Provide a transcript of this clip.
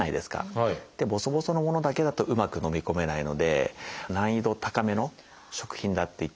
ボソボソのものだけだとうまくのみ込めないので難易度高めの食品だって言っていい。